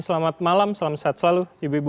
selamat malam salam sehat selalu ibu ibu